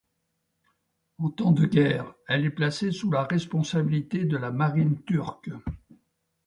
En temps de guerre, elle est placée sous la responsabilité de la marine turque.